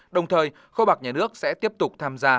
đồng thời kho bạc nhà nước sẽ tiếp tục tham gia